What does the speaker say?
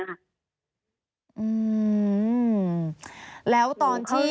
อืมแล้วตอนที่